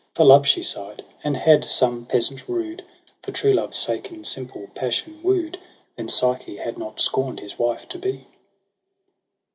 For love she sigh'd ; and had some peasant rude For true love's sake in simple passion woo'd, Then Psyche had not scorn'd his wife to be.